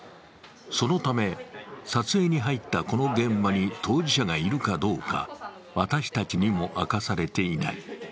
そのため、撮影に入ったこの現場に当事者がいるかどうか私たちにも明かされていない。